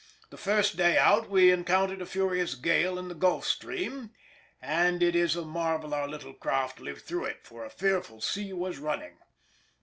The first day out we encountered a furious gale in the Gulf stream, and it is a marvel our little craft lived through it, for a fearful sea was running.